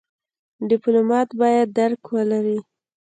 ډيپلومات بايد درک ولري.